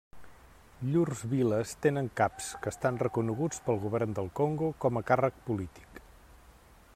Llurs viles tenen caps, que estan reconeguts pel govern del Congo com a càrrec polític.